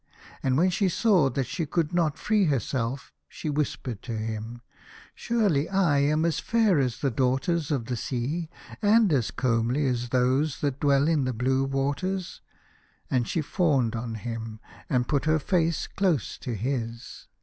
And when she saw that she could not free herself, she whispered to him, " Surely I am as fair as the daughters of the sea, and as comely as those that dwell in the blue waters," and she fawned on him and put her face close to his.